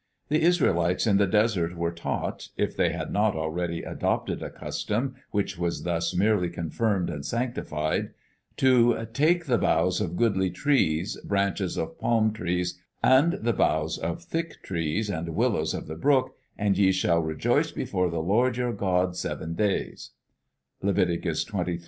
The Israelites in the desert were taught (if they had not already adopted a custom which was thus merely confirmed and sanctified) to "take the boughs of goodly trees, branches of palm trees, and the boughs of thick trees, and willows of the brook; and ye shall rejoice before the Lord your God seven days" (Leviticus 23: 40).